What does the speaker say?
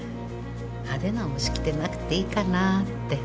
派手なお式でなくていいかなって。